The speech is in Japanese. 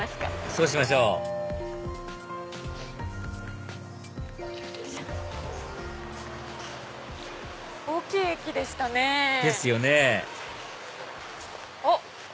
そうしましょう大きい駅でしたね。ですよねおっ！